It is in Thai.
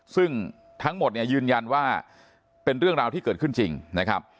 ซึ่งทั้งหมดเนี่ยยืนยันว่าเป็นเรื่องราวที่เกิดขึ้นจริงนะครับ